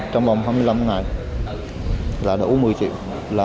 hôm hai mươi năm ngày là đủ một mươi triệu